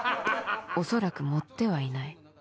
おそらく盛ってはいない